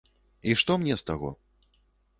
І што мне з таго?